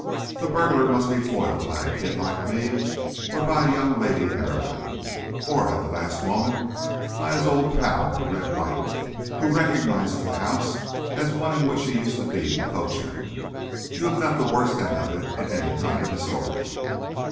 The burglar must be foiled by a kid like me, or by a young lady heroine, or at the last moment by his old pal, Red Mike, who recognizes the house as one in which he used to be the coachman. You have got the worst end of it in any kind of a story."